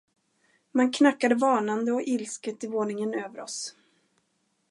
Man knackade varnande och ilsket i våningen över oss.